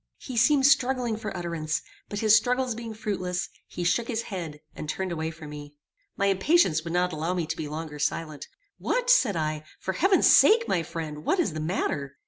He seemed struggling for utterance; but his struggles being fruitless, he shook his head and turned away from me. My impatience would not allow me to be longer silent: "What," said I, "for heaven's sake, my friend, what is the matter?"